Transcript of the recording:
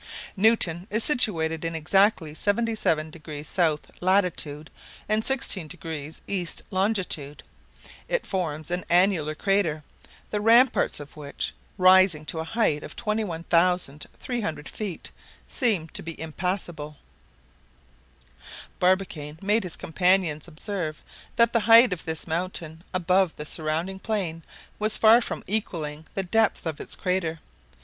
Newton is situated in exactly 77° south latitude, and 16° east longitude. It forms an annular crater, the ramparts of which, rising to a height of 21,300 feet, seemed to be impassable. Barbicane made his companions observe that the height of this mountain above the surrounding plain was far from equaling the depth of its crater.